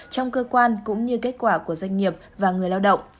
trong cơ quan cũng như kết quả của doanh nghiệp và người lao động